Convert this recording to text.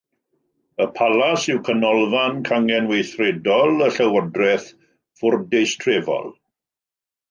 Y Palas yw canolfan cangen weithredol y llywodraeth fwrdeistrefol.